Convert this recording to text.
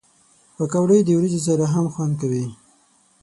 پکورې د وریجو سره هم خوند کوي